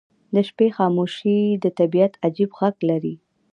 • د شپې خاموشي د طبیعت عجیب غږ لري.